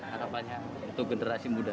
harapannya untuk generasi muda